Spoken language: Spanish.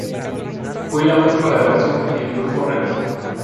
Fue la última grabación que el grupo realizó.